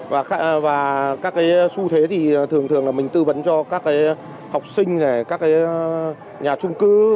và các cái xu thế thì thường thường là mình tư vấn cho các cái học sinh các cái nhà trung cư